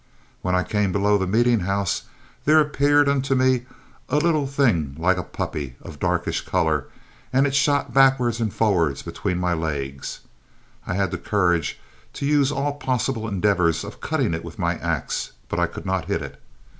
When I came below the meeting house, there appeared unto me a little thing like a puppy, of a darkish color, and it shot backward and forward between my legs. I had the courage to use all possible endeavors of cutting it with my axe; but I could not hit it.